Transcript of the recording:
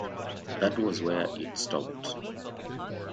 That was where it stopped.